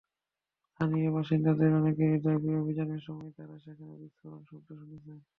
স্থানীয় বাসিন্দাদের অনেকের দাবি, অভিযানের সময় তাঁরা সেখানে বিস্ফোরণের শব্দ শুনেছেন।